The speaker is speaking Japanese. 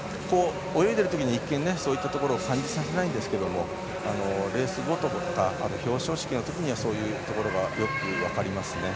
泳いでいるときはそういうことを感じさせませんがレース後とか表彰式のときにはそういうところがよく分かりますね。